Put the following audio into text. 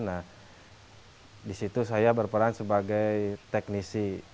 nah disitu saya berperan sebagai teknisi